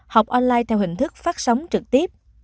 học online theo hình thức phát sóng trực tiếp